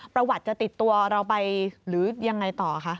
ประวัติจะติดตัวเราไปหรือยังไงต่อคะ